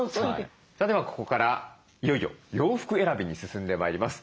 さあではここからいよいよ洋服選びに進んでまいります。